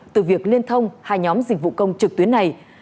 từ việc liên thông hai nhóm dịch vụ công trực tuyến này